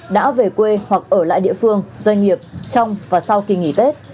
đã về quê hoặc ở lại địa phương doanh nghiệp trong và sau kỳ nghỉ tết